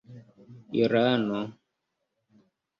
irano